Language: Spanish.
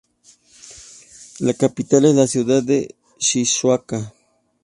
La capital es la ciudad de Shizuoka.